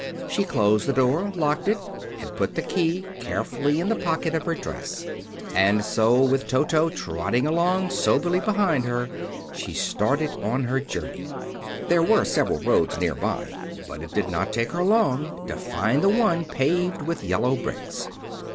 She closed the door, locked it, and put the key carefully in the pocket of her dress. And so, with Toto trotting along soberly behind her, she started on her journey. There were several roads nearby, but it did not take her long to find the one paved with yellow bricks.